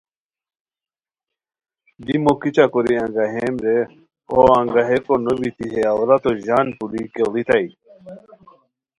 دی مو کیچہ کوری انگاہیم رے ہو انگاہیکو نوبیتی ہے عورتو ژان پولوئی کیڑیتائے